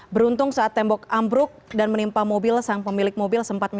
beruntung saat tembok ambruk dan menimpa mobil sang pemilik mobil sempat mencari